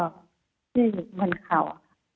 ที่มันข่าว